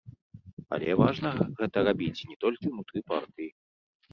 Але важна гэта рабіць не толькі ўнутры партыі.